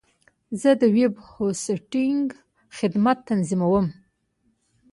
زه د ویب هوسټنګ خدمت تنظیموم.